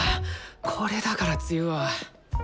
これだから梅雨は。